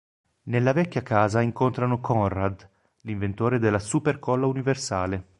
Nella vecchia casa incontrano Conrad, inventore della super-colla universale.